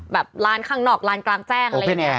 ร้านข้างนอกร้านกลางแจ้งอะไรอย่างนี้